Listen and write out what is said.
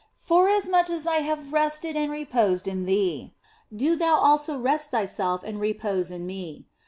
Foras much as I have rested and reposed in thee, do thou also rest thyself and repose in Me.